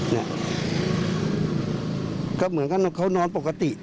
เนี่ยก็เหมือนกับเขานอนปกติ